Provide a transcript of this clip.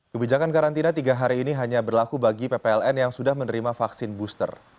kebijakan karantina tiga hari ini hanya berlaku bagi ppln yang sudah menerima vaksin booster